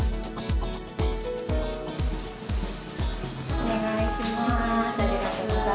お願いします。